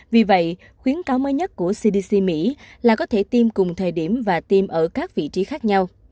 vì vậy khuyến cáo mới nhất của cdc mỹ là có thể tiêm cùng thời điểm và tiêm ở các vị trí khác nhau